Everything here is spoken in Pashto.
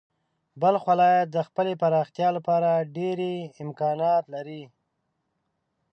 بلخ ولایت د خپلې پراختیا لپاره ډېری امکانات لري.